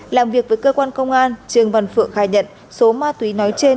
làm việc với cơ quan công an trương văn phượng khai nhận số ma túy nói trên